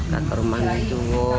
ke rumah mertua